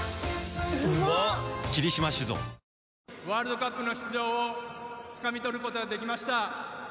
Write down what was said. ワールドカップの出場をつかみ取ることができました。